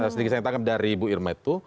sedikit saya tangkap dari bu irma itu